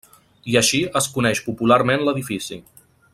I així es coneix popularment l'edifici.